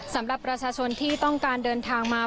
สำหรับประชาชนที่ต้องการเดินทางมา